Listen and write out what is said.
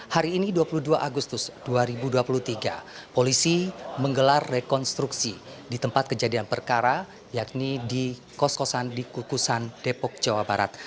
hari ini dua puluh dua agustus dua ribu dua puluh tiga polisi menggelar rekonstruksi di tempat kejadian perkara yakni di kos kosan di kukusan depok jawa barat